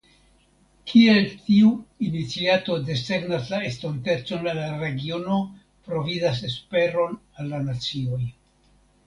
Kiel tiu iniciato desegnas la estontecon al la regiono provizas esperon al la nacioj".